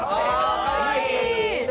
かわいい。